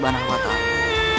saya bisa menjadi